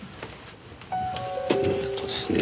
ええとですね